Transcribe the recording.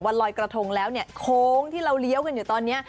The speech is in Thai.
ลอยกระทงแล้วเนี่ยโค้งที่เราเลี้ยวกันอยู่ตอนนี้